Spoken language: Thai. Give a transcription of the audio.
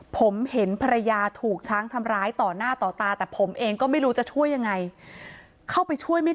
ผมเห็นภรรยาถูกช้างทำร้ายต่อหน้าต่อตาแต่ผมเองก็ไม่รู้จะช่วยยังไง